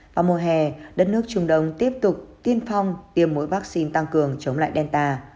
vào mùa hè đất nước trung đông tiếp tục tiêm phòng tiêm mũi vaccine tăng cường chống lại delta